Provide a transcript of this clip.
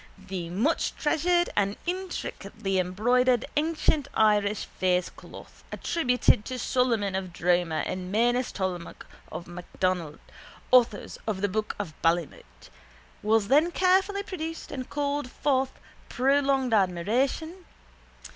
The muchtreasured and intricately embroidered ancient Irish facecloth attributed to Solomon of Droma and Manus Tomaltach og MacDonogh, authors of the Book of Ballymote, was then carefully produced and called forth prolonged admiration.